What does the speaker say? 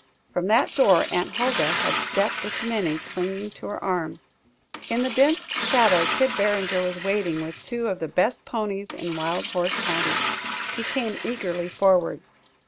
From that door Aunt Huldah had stepped with Minnie clinging to her arm. In the dense shadow Kid Barringer was waiting with two of the best ponies in Wild Horse County. He came eagerly forward.